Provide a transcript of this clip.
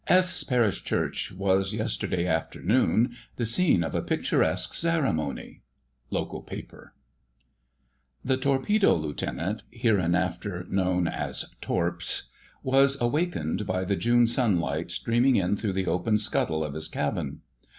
"* "S—— Parish Church was, yesterday afternoon, the scene of a picturesque ceremony...."—Local Paper. The Torpedo Lieutenant (hereinafter known as "Torps") was awakened by the June sunlight streaming in through the open scuttle of his cabin.